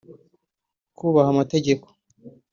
kubaha amategeko